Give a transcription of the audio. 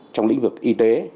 trong lĩnh vực y tế